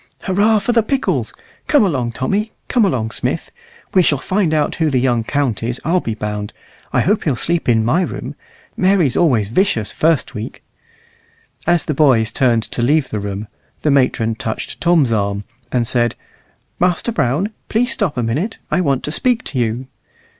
"Hurrah for the pickles! Come along, Tommy come along, Smith. We shall find out who the young count is, I'll be bound. I hope he'll sleep in my room. Mary's always vicious first week." As the boys turned to leave the room, the matron touched Tom's arm, and said, "Master Brown, please stop a minute; I want to speak to you."